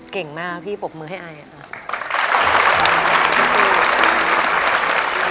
เก่งมากพี่ปรบมือให้ไอค่ะ